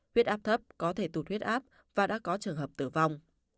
huyết áp thấp có thể tụt huyết áp và đã có trường hợp tử vong